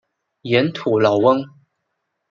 盐土老翁。